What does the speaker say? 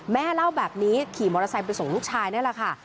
แม่เล่าแบบนี้ขี่มอเตอร์ไซค์ไปส่งลูกชายนี่แหละค่ะ